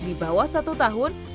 di bawah satu sisi